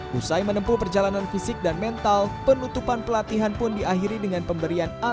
hai usai menempuh perjalanan fisik dan mental penutupan pelatihan pun diakhiri dengan pemberian